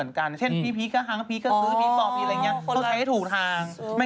อย่างนี้เราใช้ผี